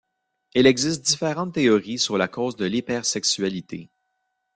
Il existe différentes théories sur la cause de l'hypersexualité.